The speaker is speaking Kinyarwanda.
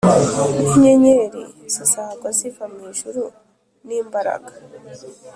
N inyenyeri zizagwa ziva mu ijuru n imbaraga